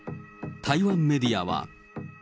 台湾メディアは。